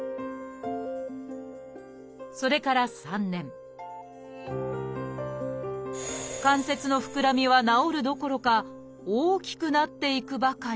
それから３年関節の膨らみは治るどころか大きくなっていくばかり。